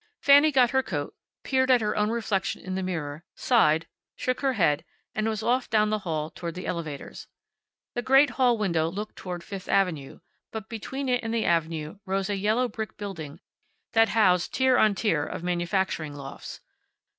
Fanny got her coat, peered at her own reflection in the mirror, sighed, shook her head, and was off down the hall toward the elevators. The great hall window looked toward Fifth avenue, but between it and the avenue rose a yellow brick building that housed tier on tier of manufacturing lofts.